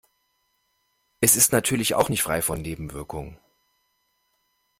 Es ist natürlich auch nicht frei von Nebenwirkungen.